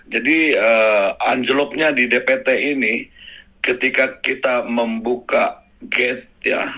jadi anjloknya di dpt ini ketika kita membuka gate ya